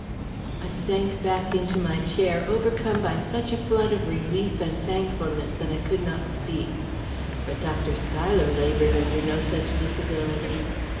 I sank back into my chair, overcome by such a flood of relief and thankfulness that I could not speak. But Dr. Schuyler laboured under no such disability.